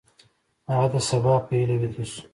هغه د سبا په هیله ویده شو.